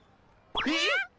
えっ！？